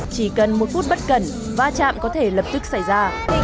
chỉ cần một phút bất cẩn va chạm có thể lập tức xảy ra